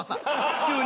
急に。